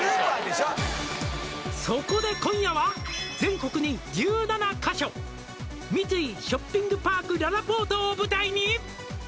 「そこで今夜は全国に１７か所」「三井ショッピングパークららぽーとを舞台に」